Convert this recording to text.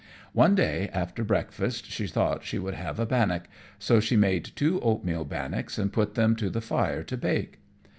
One day, after breakfast, she thought she would have a bannock, so she made two oatmeal bannocks and put them to the fire to bake.